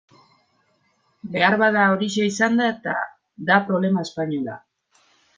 Beharbada horixe izan da eta da problema espainola.